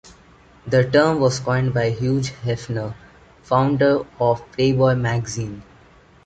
The term was coined by Hugh Hefner, founder of "Playboy" magazine.